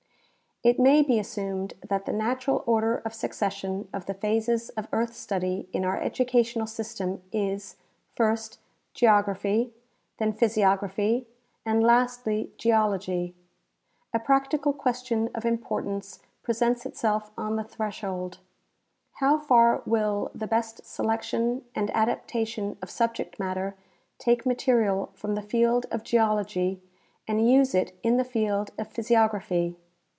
* It may be assumed that the natural order of succession of the phases of earth study in our educational system is — first, geography, then physiography, and lastly, geology. A practical question of importance presents itself on the threshold : How far will the best selection and adaptation of subject matter take material from the field of geology and use it in the field of physi ography?